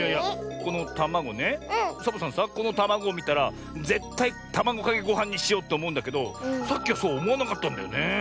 このたまごをみたらぜったいたまごかけごはんにしようっておもうんだけどさっきはそうおもわなかったんだよね。